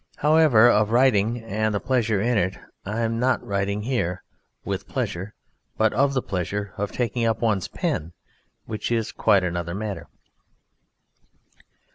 However, of writing and the pleasure in it I am not writing here (with pleasure), but of the pleasure of taking up one's pen, which is quite another matter.